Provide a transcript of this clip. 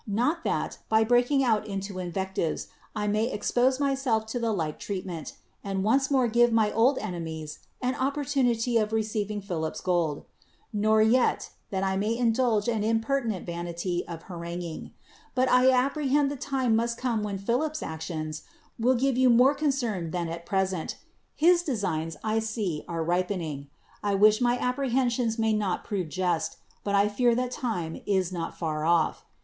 Not that, by breaking out into invectives, I may expose myself to the like treatment, and once more give my old enemies an opportunity of receiving Philip's gold; nor yet that I may in dulge an impertinent vanity of haranguing; but I apprehend the time must come when Philip's actions will give you more concern than at pres ent. His designs, I see, are ripening. I wish my apprehensions may not prove just; but I fear that time is not far off.